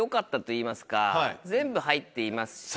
全部入っていますし。